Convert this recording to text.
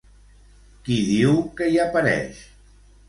Qui diu que hi apareix?